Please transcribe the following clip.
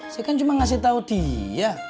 saya kan cuma ngasih tahu dia